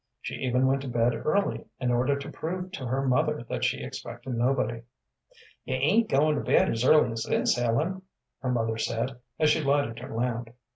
She even went to bed early in order to prove to her mother that she expected nobody. "You ain't goin' to bed as early as this, Ellen?" her mother said, as she lighted her lamp.